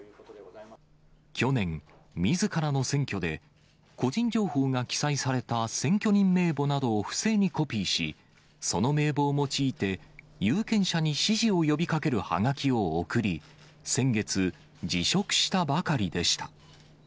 去年、みずからの選挙で、個人情報が記載された選挙人名簿などを不正にコピーし、その名簿を用いて有権者に支持を呼びかけるはがきを送り、先月、辞職したばかりでした。